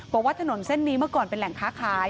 บอกว่าถนนเส้นนี้เมื่อก่อนเป็นแหล่งค้าขาย